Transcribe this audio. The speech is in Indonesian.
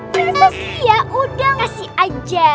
prinses ya udah kasih aja